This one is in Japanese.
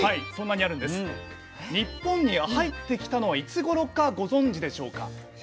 日本に入ってきたのはいつごろかご存じでしょうか？